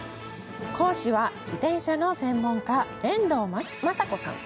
講師は自転車の専門家遠藤まさ子さん。